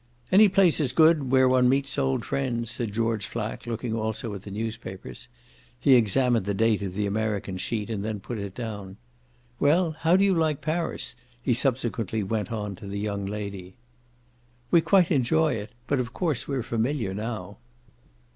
"Any place is good where one meets old friends," said George Flack, looking also at the newspapers. He examined the date of the American sheet and then put it down. "Well, how do you like Paris?" he subsequently went on to the young lady. "We quite enjoy it; but of course we're familiar now."